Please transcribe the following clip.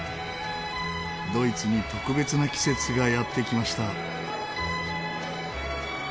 ドイツに特別な季節がやってきました。